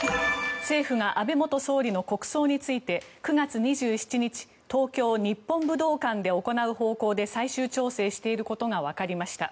政府が安倍元総理の国葬について９月２７日東京日本武道館で行う方向で最終調整していることがわかりました。